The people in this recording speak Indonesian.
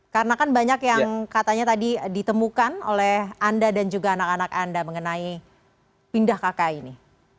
karena kan banyak yang katanya tadi ditemukan oleh anda dan juga anak anak anda mengenai pindah kk ini